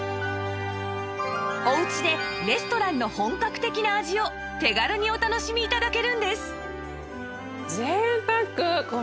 おうちでレストランの本格的な味を手軽にお楽しみ頂けるんです